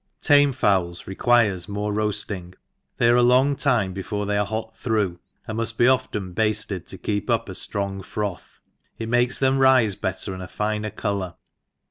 — Tfflne fowls require more rpafling, they are a long time before they are hot through, and mud b^ eftjen baAed to keep up a flrong froth, it makes them rife better, and a. finer polour.